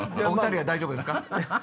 お２人は大丈夫ですか？